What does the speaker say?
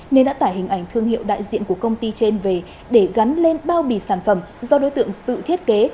nên đã tải hình ảnh thương hiệu đại diện của công ty trên về để gắn lên bao bì sản phẩm do đối tượng tự thiết kế